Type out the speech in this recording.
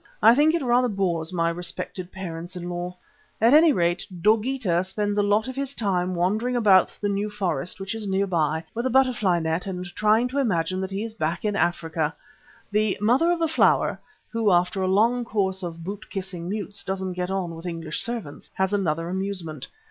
I think it rather bores my respected parents in law. At any rate, 'Dogeetah' spends a lot of his time wandering about the New Forest, which is near by, with a butterfly net and trying to imagine that he is back in Africa. The 'Mother of the Flower' (who, after a long course of boot kissing mutes, doesn't get on with English servants) has another amusement.